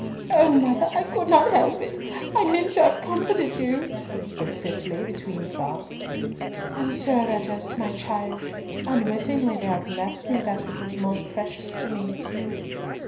"O mother, I could not help it! I meant to have comforted you," said Cicely, between her sobs. "And so thou dost, my child. Unwittingly they have left me that which was most precious to me."